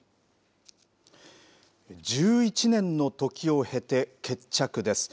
１１年のときを経て決着です。